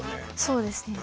そうですね。